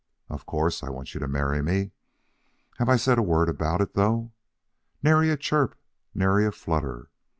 Of course I want you to marry me. Have I said a word about it, though? Nary a chirp, nary a flutter.